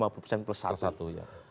lima puluh persen plus satu ya